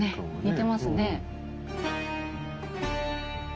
似てますね。